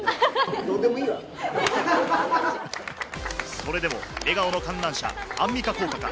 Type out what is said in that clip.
それでも笑顔の観覧車・アンミカ効果か？